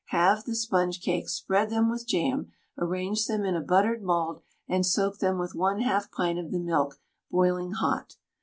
Halve the sponge cakes, spread them with jam, arrange them in a buttered mould, and soak them with 1/2 pint of the milk boiling hot.